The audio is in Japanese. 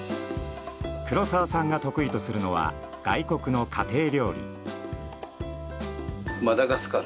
黒澤さんが得意とするのは外国の家庭料理。